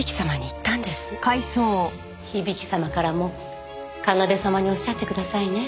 響様からも奏様におっしゃってくださいね。